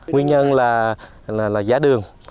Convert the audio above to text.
nguyên nhân là giá đường